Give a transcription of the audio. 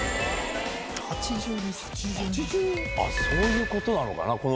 そういうことなのかな